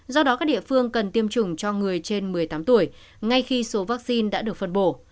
do đó các địa phương cần tiêm chủng cho người trên một mươi tám tuổi ngay khi số vaccine đã được phân bổ